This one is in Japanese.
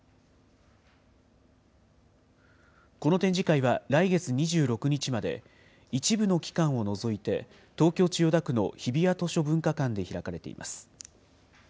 この展示会は来月２６日まで、一部の期間を除いて、東京・千代田区の日比谷図書文化館で開かれています。